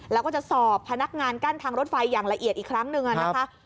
แล้วก็จะสอบพนักงานกั้นทางรถไฟอย่างละเอียดอีกครั้งหนึ่งนะคะ